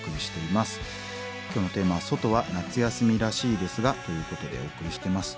今日のテーマは「ソトは夏休みらしいですが」ということでお送りしてます。